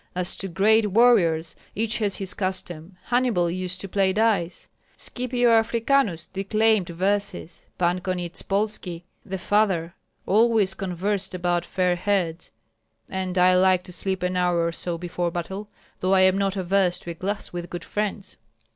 As to great warriors, each has his custom. Hannibal used to play dice; Scipio Africanus declaimed verses; Pan Konyetspolski the father always conversed about fair heads; and I like to sleep an hour or so before battle, though I am not averse to a glass with good friends."